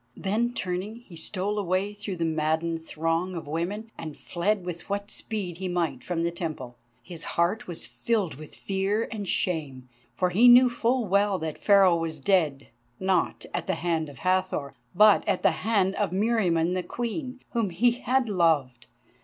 Then turning, he stole away through the maddened throng of women and fled with what speed he might from the Temple. His heart was filled with fear and shame, for he knew full well that Pharaoh was dead, not at the hand of Hathor, but at the hand of Meriamun the Queen, whom he had loved.